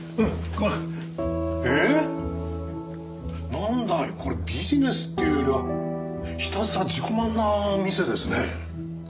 なんだいこれビジネスっていうよりはひたすら自己満な店ですねえ。